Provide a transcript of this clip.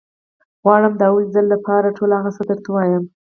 غواړم د لومړي ځل لپاره ټول هغه څه درته ووايم.